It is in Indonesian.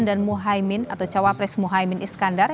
dan muhaymin atau cawapres muhaymin iskandar